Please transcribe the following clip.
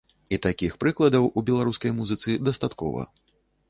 І такіх прыкладаў у беларускай музыцы дастаткова.